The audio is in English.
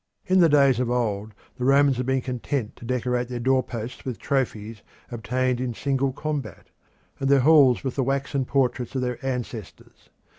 In the days of old the Romans had been content to decorate their door posts with trophies obtained in single combat, and their halls with the waxen portraits of their ancestors.